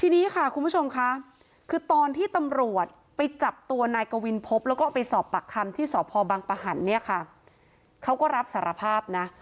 บางประหันต์เนี่ยค่ะเขาก็รับสารภาพนะ